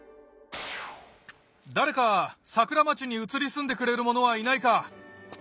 誰か桜町に移り住んでくれる者はいないか？